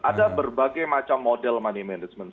ada berbagai macam model money management